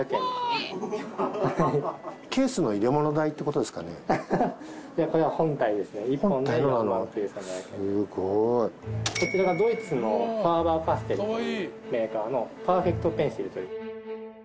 こちらがドイツのファーバーカステルというメーカーのパーフェクトペンシルという。